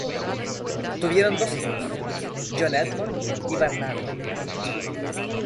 Tuvieron dos hijos: John Edmond y Barnaby.